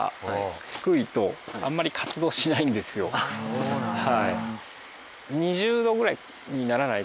そうなんだ。